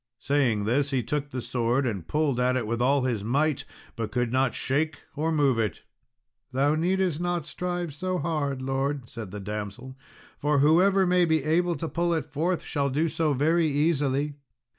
Saying this, he took the sword and pulled at it with all his might, but could not shake or move it. "Thou needest not strive so hard, Lord," said the damsel, "for whoever may be able to pull it forth shall do so very easily."